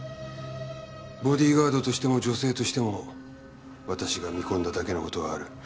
ボディーガードとしても女性としても私が見込んだだけの事はある。